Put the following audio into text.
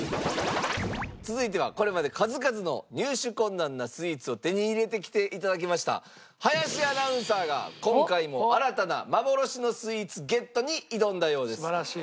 続いてはこれまで数々の入手困難なスイーツを手に入れてきて頂きました林アナウンサーが今回も新たな幻のスイーツゲットに挑んだようです。